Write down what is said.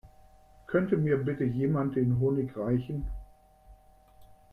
Könnte mir bitte jemand den Honig reichen?